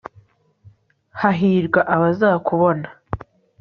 hahirwa abazakubona